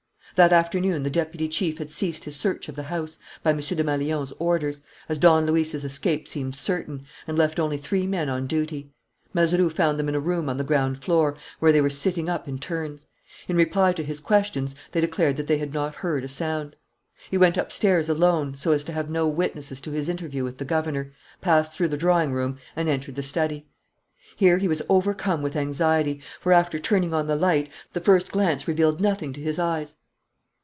That afternoon the deputy chief had ceased his search of the house, by M. Desmalions's orders, as Don Luis's escape seemed certain, and left only three men on duty. Mazeroux found them in a room on the ground floor, where they were sitting up in turns. In reply to his questions, they declared that they had not heard a sound. He went upstairs alone, so as to have no witnesses to his interview with the governor, passed through the drawing room and entered the study. Here he was overcome with anxiety, for, after turning on the light, the first glance revealed nothing to his eyes.